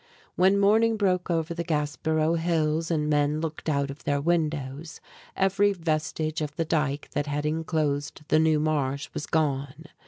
When morning broke over the Gaspereau hills, and men looked out of their windows, every vestige of the dike that had inclosed the New Marsh was gone.